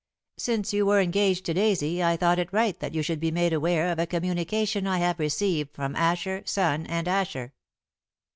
"Since you were engaged to Daisy I thought it right that you should be made aware of a communication I have received from Asher, Son, and Asher."